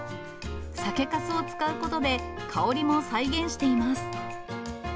酒かすを使うことで、香りも再現しています。